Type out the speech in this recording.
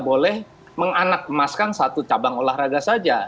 boleh menganak emaskan satu cabang olahraga saja